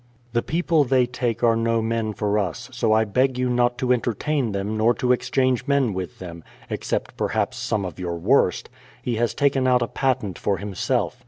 The people they take are no men for us, so I beg you not to entertain them nor to exchange men with them, except perhaps some of your worst. He has taken out a patent for himself.